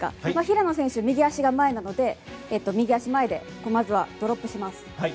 平野選手、右足が前なので右足前でまずはドロップします。